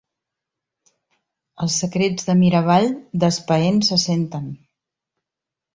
Els secrets de Miravall, d'Espaén se senten.